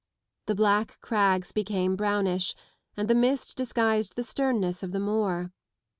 The black crags became brownish, and the mist disguised the sternness of the moor.